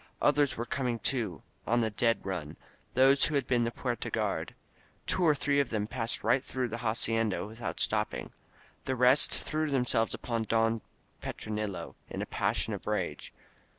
Others were coming, too, on the dead run — those who had been the Puerta guard. Two or three passed right through the hacienda without stopping. The rest threw themselves upon Don Petronilo, in a passion of rage.